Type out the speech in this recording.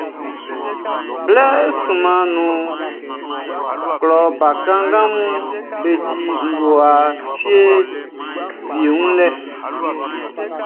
Blɛ sunman nunʼn, klɔ bakannganʼm be di ngowa awie fieʼm be wun lɛ.